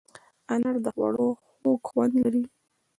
انار د خوړو خوږ خوند لري.